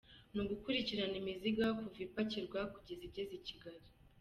Ni ugukurikirana imizigo kuva ipakirwa, kugeza igeze i Kigali.